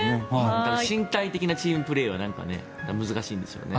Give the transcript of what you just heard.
身体的なチームプレーは難しいんですよね。